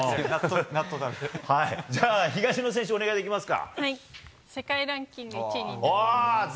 東野選手、お願いできますか。